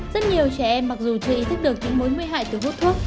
rất nhiều trẻ em mặc dù chưa ý thức được những mối nguy hại từ hút thuốc